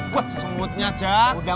kalian coba lihat itu